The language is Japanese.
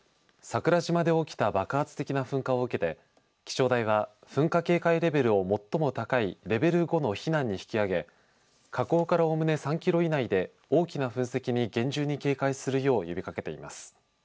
桜島で起きた爆発的な噴火を受けて気象台は噴火警戒レベルを最も高いレベル５の避難に引き上げ火口からおおむね３キロ以内で大きな噴石に厳重に警戒するよう呼びかけています。